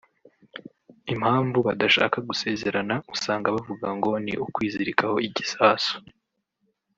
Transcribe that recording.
Impamvu badashaka gusezerana usanga bavuga ngo ‘ni ukwizirikaho igisasu